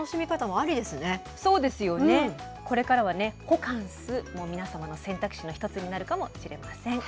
これからはね、ホカンスも皆様の選択肢の１つになるかもしれません。